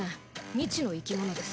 未知の生き物です。